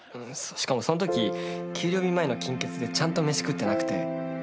しかもそんとき給料日前の金欠でちゃんと飯食ってなくて。